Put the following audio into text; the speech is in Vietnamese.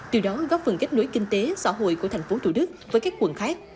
từ đó góp phần kết nối kinh tế xã hội của thành phố thủ đức với các quận khác